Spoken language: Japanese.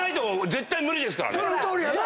そのとおりやな！